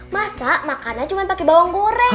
masa makannya cuma pake bawang goreng